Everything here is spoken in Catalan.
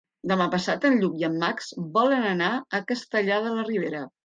Demà passat en Lluc i en Max volen anar a Castellar de la Ribera.